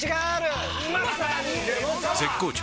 絶好調！！